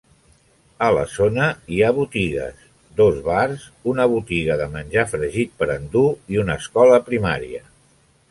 A la zona hi ha botigues, dos bars, una botiga menjar fregit per endur i una escola primària.